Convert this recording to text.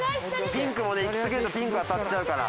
ピンクもねいきすぎるとピンク当たっちゃうから。